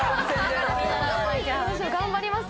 頑張ります。